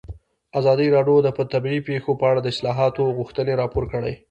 ازادي راډیو د طبیعي پېښې په اړه د اصلاحاتو غوښتنې راپور کړې.